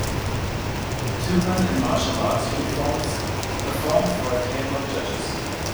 Two men in martial arts uniforms perform for a table of judges